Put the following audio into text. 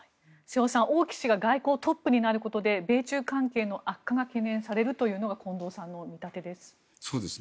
瀬尾さん、王毅氏が外交トップになることで米中関係の悪化が懸念されるというのが近藤さんの見立てです。